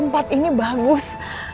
tempat ini bagus